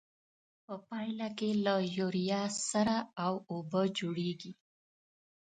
په پایله کې له یوریا سره او اوبه جوړیږي.